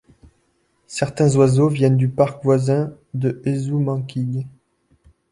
Certains oiseaux viennent du parc voisin le Ezumakeeg.